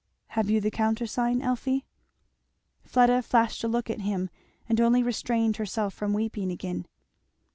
"Have you the countersign, Elfie?" Fleda flashed a look at him, and only restrained herself from weeping again.